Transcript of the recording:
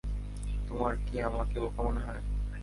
তোমার কী আমাকে বোকা মনে হয়?